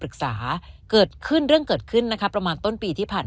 เกิดขึ้นเรื่องเกิดขึ้นนะคะประมาณต้นปีที่ผ่าน